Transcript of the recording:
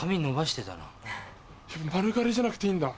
丸刈りじゃなくていいんだ。